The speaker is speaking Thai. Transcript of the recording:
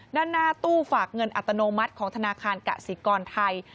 ด้านหน้าตู้ฝากเงินอัตโนมัติของธนาคารกสิกรไทย